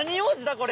これ。